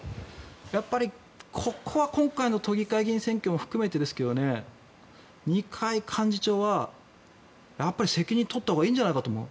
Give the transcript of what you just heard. やっぱり、ここは今回の都議会議員選挙も含めてですけど二階幹事長は責任を取ったほうがいいんじゃないかと思う。